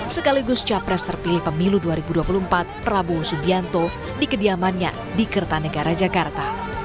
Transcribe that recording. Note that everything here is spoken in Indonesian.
sekaligus capres terpilih pemilu dua ribu dua puluh empat prabowo subianto di kediamannya di kertanegara jakarta